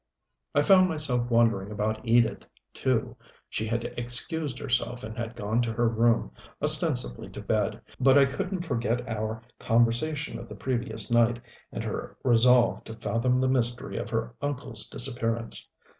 I found myself wondering about Edith, too. She had excused herself and had gone to her room, ostensibly to bed, but I couldn't forget our conversation of the previous night and her resolve to fathom the mystery of her uncle's disappearance.